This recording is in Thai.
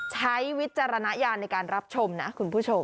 วิจารณญาณในการรับชมนะคุณผู้ชม